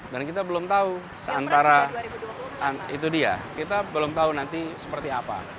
dan kita belum tahu seantara itu dia kita belum tahu nanti seperti apa